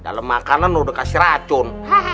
dalam makanan lu udah kasih racun